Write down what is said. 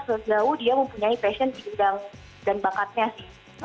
sejauh dia mempunyai passion di bidang dan bakatnya sih